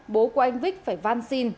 bố của anh vích phải văn xin